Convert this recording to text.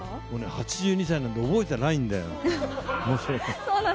８２歳なんで、もう覚えてないんだよな。